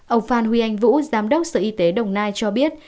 ông phan huy anh vũ giám đốc sở y tế đồng nai cho biết